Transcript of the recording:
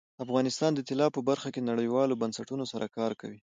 افغانستان د طلا په برخه کې نړیوالو بنسټونو سره کار کوي.